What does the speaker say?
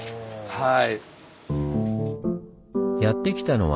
はい。